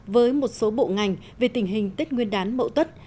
với một số bộ ngành về tình hình tết nguyên đán mẫu tất